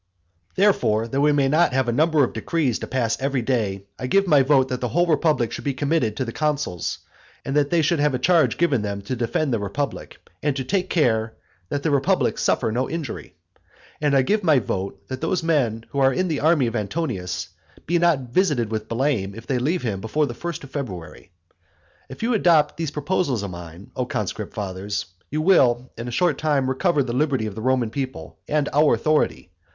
Therefore, that we may not have a number of decrees to pass every day, I give my vote that the whole republic should be committed to the consuls, and that they should have a charge given them to defend the republic, and to take care "that the republic suffer no injury." And I give my vote that those men who are in the army of Antonius be not visited with blame, if they leave him before the first of February. If you adopt these proposals of mine, O conscript fathers, you will in a short time recover the liberty of the Roman people and our own authority.